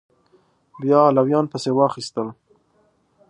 بیا علویان پسې واخیستل